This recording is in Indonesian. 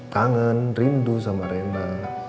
kangen rindu sama rena